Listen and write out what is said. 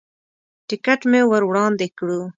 ټکټ مې ور وړاندې کړو.